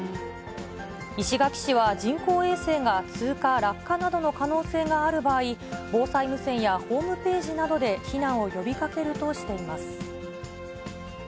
石垣市は人工衛星が通過、落下などの可能性がある場合、防災無線やホームページなどで避難を呼びかけるとしています。